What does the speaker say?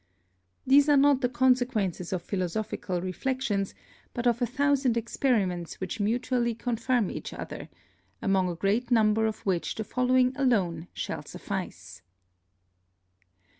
These are not the Consequences of Philosophical Reflections, but of a thousand Experiments which mutually confirm each other; among a great Number of which the following alone shall suffice.